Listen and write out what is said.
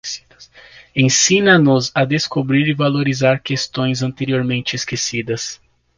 Ensina-nos a descobrir e valorizar questões anteriormente esquecidas.